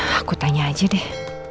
aku tanya aja deh